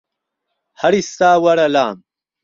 هەر ئیستا وەرە لام